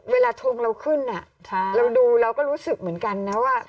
ทงเราขึ้นเราดูเราก็รู้สึกเหมือนกันนะว่า